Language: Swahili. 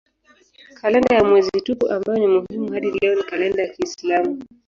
Kalenda ya mwezi tupu ambayo ni muhimu hadi leo ni kalenda ya kiislamu.